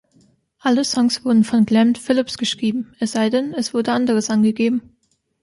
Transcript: Alle Songs wurden von Glen Phillips geschrieben, es sei denn, es wurde anderes angegeben.